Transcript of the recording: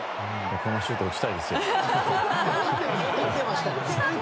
こんなシュート打ちたいですよ。